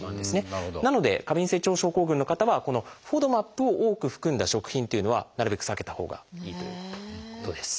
なので過敏性腸症候群の方はこのＦＯＤＭＡＰを多く含んだ食品というのはなるべく避けたほうがいいということです。